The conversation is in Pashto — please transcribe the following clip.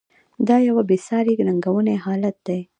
دا یوه بې ساري ننګونکی حالت دی.